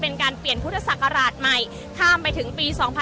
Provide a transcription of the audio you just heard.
อาจจะออกมาใช้สิทธิ์กันแล้วก็จะอยู่ยาวถึงในข้ามคืนนี้เลยนะคะ